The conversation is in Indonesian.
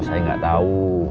saya gak tau